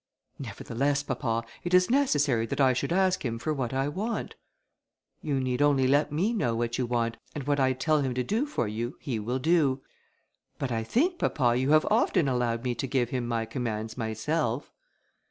"Nevertheless, papa, it is necessary that I should ask him for what I want." "You need only let me know what you want, and what I tell him to do for you he will do." "But I think, papa, you have often allowed me to give him my commands myself."